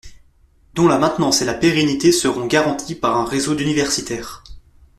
dont la maintenance et la pérennité seront garanties par un réseau d'universitaires